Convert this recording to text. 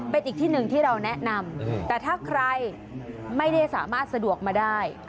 เป็นอีกที่หนึ่งที่เราแนะนำแต่ถ้าใครไม่ได้สามารถสะดวกมาได้